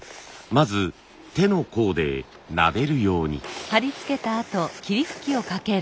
まず手の甲でなでるように。